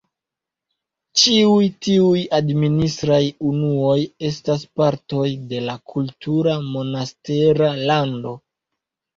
Ĉiuj tiuj administraj unuoj estas partoj de la kultura Monastera Lando.